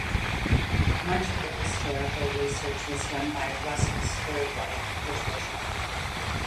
Much of the historical research was done by Russell's third wife Patricia.